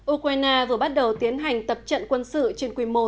ukraine vừa bắt đầu tiến hành tập trận quân sự trên quy mô